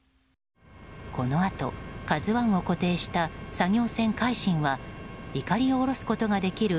このあと「ＫＡＺＵ１」を固定した作業船の「海進」はいかりを下ろすことができる